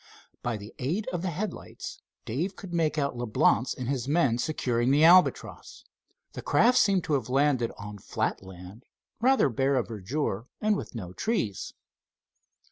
By the aid of the headlights Dave could make out Leblance and his men securing the Albatross. The craft seemed to have landed on flat land rather bare of verdure and with no trees.